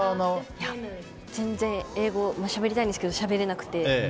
いや全然、英語はしゃべりたいんですけどしゃべれなくて。